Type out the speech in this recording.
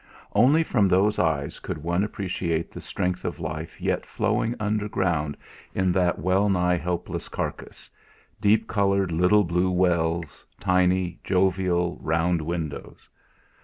Only from those eyes could one appreciate the strength of life yet flowing underground in that well nigh helpless carcase deep coloured little blue wells, tiny, jovial, round windows.